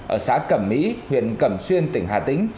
ở xã cẩm mỹ huyện cẩm xuyên tỉnh hà tĩnh